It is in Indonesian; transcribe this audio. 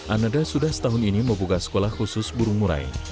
ananda sudah setahun ini membuka sekolah khusus burung murai